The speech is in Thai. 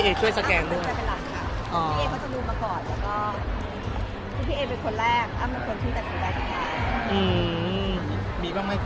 พี่เอ็มเค้าเป็นระบองโรงงานหรือเปลี่ยนไงครับ